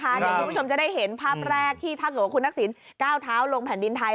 เดี๋ยวคุณผู้ชมจะได้เห็นภาพแรกที่ถ้าเกิดว่าคุณทักษิณก้าวเท้าลงแผ่นดินไทย